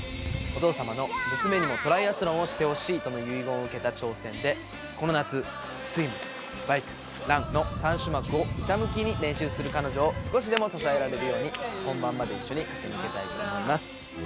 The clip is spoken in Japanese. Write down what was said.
お父様の「娘にもトライアスロンをしてほしい」との遺言を受けた挑戦でこの夏スイムバイクランの３種目をひたむきに練習する彼女を少しでも支えられるように本番まで一緒に駆け抜けたいと思います。